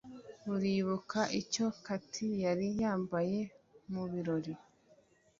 Uribuka icyo Cathy yari yambaye mubirori?